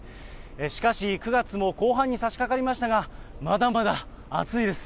しかし、９月も後半に差しかかりましたが、まだまだ暑いです。